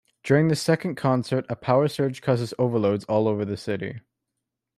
During the second concert, a power surge causes overloads all over the city.